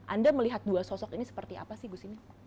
anda melihat dua sosok ini seperti apa sih gus ini